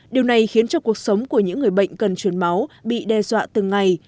điều này khiến cho cuộc sống của những người bệnh cần chuyển máu bị đe dọa từng ngày